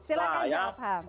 silahkan jawab ham